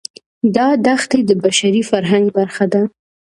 دا دښتې د بشري فرهنګ برخه ده.